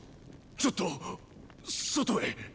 ちょっと外へ。